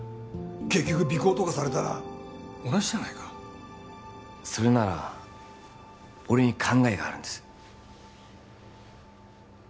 結局尾行とかされたら同じじゃないかそれなら俺に考えがあるんです・